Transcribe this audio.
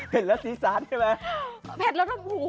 เผ็ดแล้วซีซาสใช่ไหม